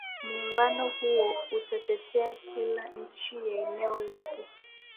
muungano huo utatetea kila nchi ya eneo lake